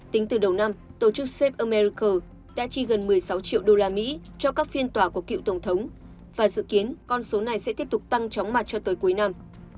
tính từ đầu năm tổ chức xếp americal đã chi gần một mươi sáu triệu đô la mỹ cho các phiên tòa của cựu tổng thống và dự kiến con số này sẽ tiếp tục tăng chóng mặt cho tới cuối năm